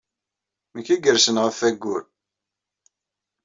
D nekk ay yersen ɣef wayyur.